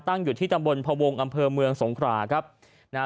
อยู่ที่ตำบลพวงอำเภอเมืองสงขราครับนะฮะ